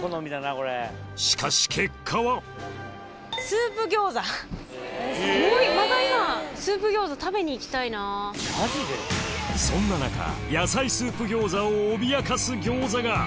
しかし結果はそんな中野菜スープ餃子を脅かす餃子が！